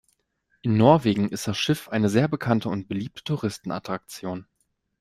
In Norwegen ist das Schiff eine sehr bekannte und beliebte Touristenattraktion.